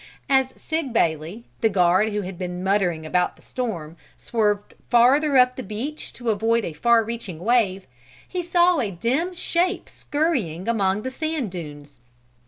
As Sig Bailey, the guard who had been muttering about the storm, swerved farther up the beach to avoid a far reaching wave, he saw a dim shape scurrying among the sand dunes.